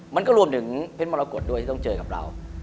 มันก็รวมถึงเพชรมรกฏด้วยที่ต้องเจอกับเรา